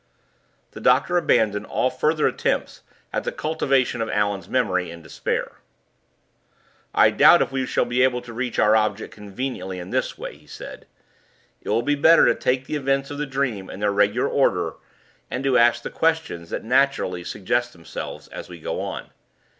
The doctor abandoned all further attempts at the cultivation of Allan's memory in despair. "I doubt if we shall be able to reach our object conveniently in this way," he said. "It will be better to take the events of the dream in their regular order, and to ask the questions that naturally suggest themselves as we go on.